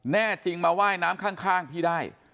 แน่จริงมาว่ายน้ำข้างพี่ได้